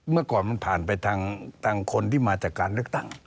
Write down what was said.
เมื่อก่อนมันผ่านไปทางคนที่มาจากการเลือกตั้ง